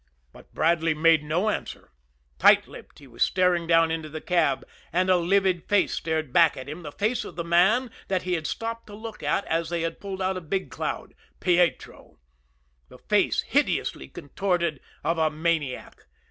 But Bradley made no answer. Tight lipped, he was staring down into the cab; and a livid face stared back at him the face of the man that he had stopped to look at as they had pulled out of Big Cloud Pietro the face, hideously contorted, of a maniac.